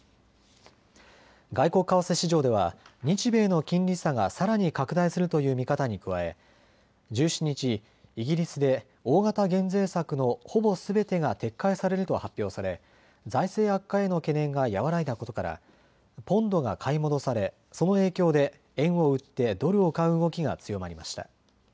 外国為替市場では日米の金利差がさらに拡大するという見方に加え１７日、イギリスで大型減税策のほぼすべてが撤回されると発表され財政悪化への懸念が和らいだことからポンドが買い戻されその影響で円を売ってドルを買う動きが強まりました。